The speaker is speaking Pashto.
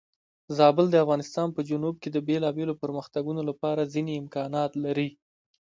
زابل د افغانستان په جنوب کې د بېلابېلو پرمختګونو لپاره ځینې امکانات لري.